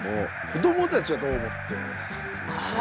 子どもたちはどう思ってるのかというね。は確かに。